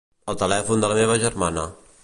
El telèfon de la meva germana.